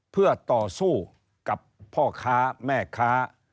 เพื่อต่อสู้กับพ่อค้าแม่ค้า